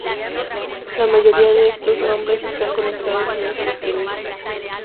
La mayoría de estos nombres están conectados con el cristianismo.